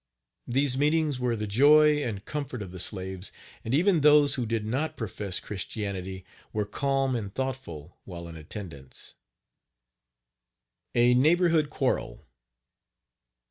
These meetings were the joy and comfort of the slaves, and even those who did not profess Christianity were calm and thoughtful while in attendance. Page 55 A NEIGHBORHOOD QUARREL.